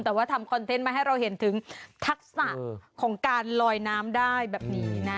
แต่ว่าทำคอนเทนต์มาให้เราเห็นถึงทักษะของการลอยน้ำได้แบบนี้นะ